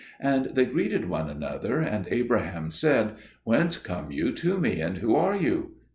And they greeted one another, and Abraham said, "Whence come you to me, and who are you?"